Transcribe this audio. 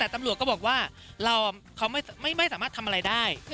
แต่ตำรวจก็บอกว่าเขาไม่สามารถทำอะไรได้